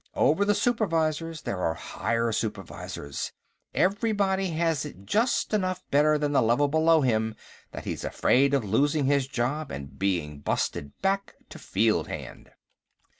Over the supervisors, there are higher supervisors. Everybody has it just enough better than the level below him that he's afraid of losing his job and being busted back to fieldhand."